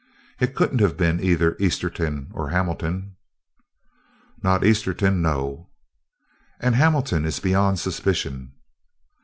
It could n't have been either Esterton or Hamilton." "Not Esterton, no." "And Hamilton is beyond suspicion."